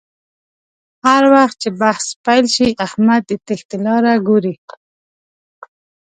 هر وخت چې بحث پیل شي احمد د تېښتې لاره گوري